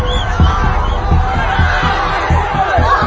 สวัสดีครับ